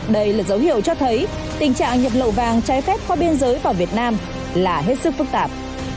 đây là dấu hiệu cho thấy tình trạng nhập lậu vàng trái phép qua biên giới vào việt nam là hết sức phức tạp